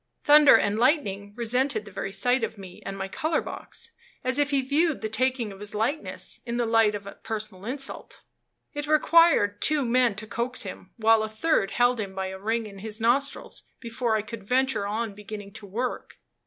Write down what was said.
"Thunder and Lightning" resented the very sight of me and my color box, as if he viewed the taking of his likeness in the light of a personal insult. It required two men to coax him, while a third held him by a ring in his nostrils, before I could venture on beginning to work.